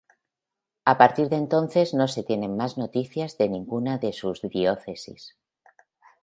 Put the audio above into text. A partir de entonces no se tienen más noticias de ninguna de sus diócesis.